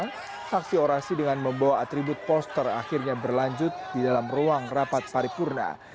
dan aksi orasi dengan membawa atribut poster akhirnya berlanjut di dalam ruang rapat paripurna